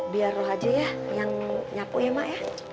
biar lu aja ya yang nyapu ya mak